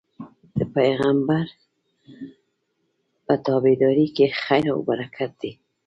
د پيغمبر په تابعدارۍ کي خير او برکت دی